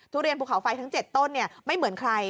เรียนภูเขาไฟทั้ง๗ต้นไม่เหมือนใคร